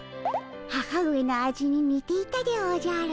母上の味ににていたでおじゃる。